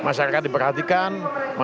masyarakat diberikan apa yang mau diingatkan